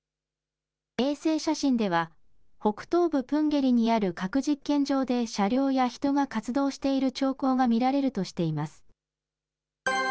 衛星写真では、北東部プンゲリにある核実験場で車両や人が活動している兆候が見られるとしています。